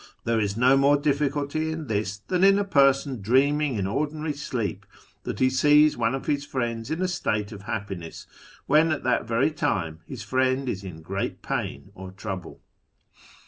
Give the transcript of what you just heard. There is no more difficulty in this than in a person dreaming in ordinary sleep that he sees one of his friends in a state of happiness when at that very time his friend is in great pain or trouble."